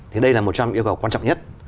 thì đây là một trong những yêu cầu quan trọng nhất